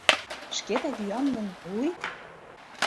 Шкетак йӱам гын... уй...